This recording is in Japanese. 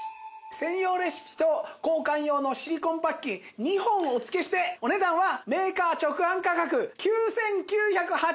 専用レシピと交換用のシリコンパッキン２本をお付けしてお値段はメーカー直販価格９９８０円なんですが！